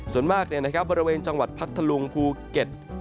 ส่วนมากบริเวณจังหวัดพัทธลุงภูเก็ต